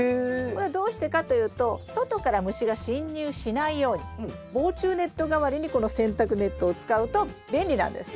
これはどうしてかというと外から虫が侵入しないように防虫ネット代わりにこの洗濯ネットを使うと便利なんです。